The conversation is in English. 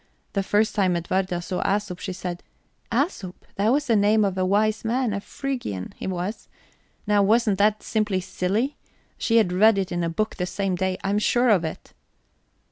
The first time Edwarda saw Æsop, she said: 'Æsop that was the name of a wise man a Phrygian, he was.' Now wasn't that simply silly? She had read it in a book the same day, I'm sure of it."